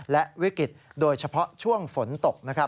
และวิกฤตโดยเฉพาะช่วงฝนตก